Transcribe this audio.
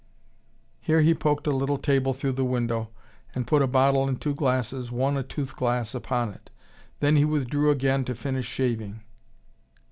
Here he poked a little table through the window, and put a bottle and two glasses, one a tooth glass, upon it. Then he withdrew again to finish shaving.